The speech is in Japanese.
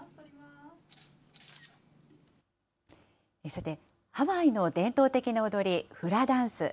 さて、ハワイの伝統的な踊り、フラダンス。